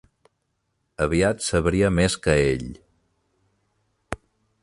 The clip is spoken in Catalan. Aviat sabria més que ell